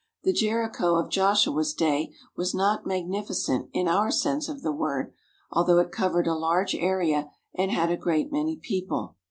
The Jericho of Joshua's day was not magnificent in our sense of the word, although it covered a large area and had a great many people.